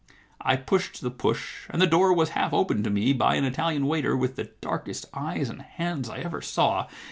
I pushed the push, and the door was half opened to me by an Italian waiter with the darkest eyes and hands I ever saw.